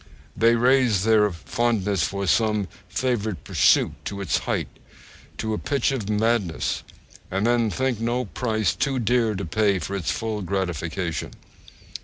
They raise their fondness for some favourite pursuit to its height, to a pitch of madness, and think no price too dear to pay for its full gratification.